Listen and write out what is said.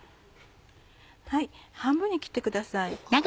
半分に切ってください。